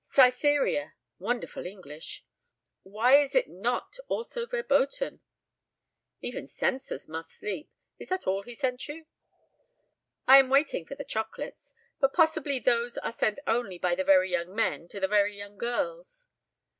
'Cytherea.' Wonderful English. Why is it not also verboten?" "Even censors must sleep. Is that all he sent you?" "I am waiting for the chocolates but possibly those are sent only by the very young men to the very young girls."